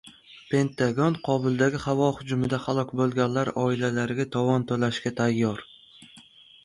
Pentagon Kobuldagi havo hujumida halok bo‘lganlarning oilalariga tovon to‘lashga tayyor